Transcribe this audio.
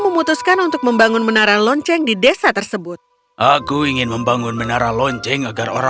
menara itu dibangun